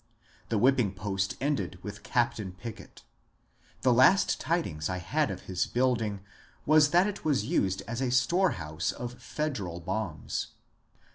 The whipping post ended with Captain Pickett. The last tidings I had of his building was that it was used as a storehouse of Federal bombs.